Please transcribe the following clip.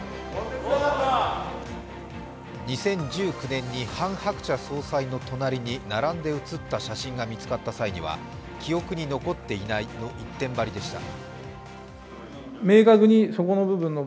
２０１９年にハン・ハクチャ総裁の隣に並んで写った写真が見つかった際には、記憶に残っていないの一点張りでした。